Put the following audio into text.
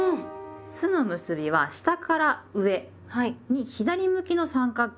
「す」の結びは下から上に左向きの三角形。